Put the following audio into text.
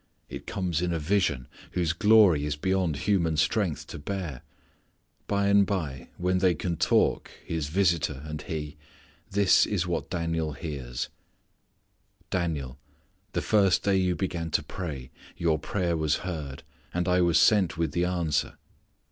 It comes in a vision whose glory is beyond human strength to bear. By and by when they can talk, his visitor and he, this is what Daniel hears: "Daniel, the first day you began to pray, your prayer was heard, and I was sent with the answer."